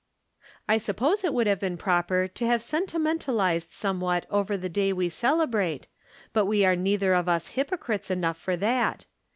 I suppose it would have been proper to have sentimentalized somewhat over the day we cele brate, but we are neither of us hypocrites enough for that.